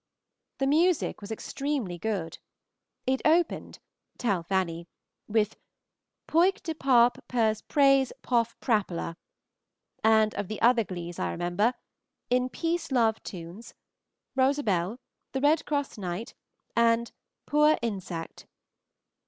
The music was extremely good. It opened (tell Fanny) with "Poike de Parp pirs praise pof Prapela;" and of the other glees I remember, "In peace love tunes," "Rosabelle," "The Red Cross Knight," and "Poor Insect."